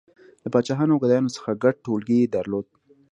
• له پاچاهانو او ګدایانو څخه ګډ ټولګی یې درلود.